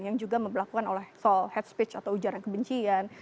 yang juga melakukan oleh soal head speech atau ujaran kebencian